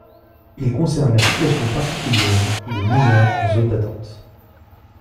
Il concerne la situation particulière des mineurs en zone d’attente.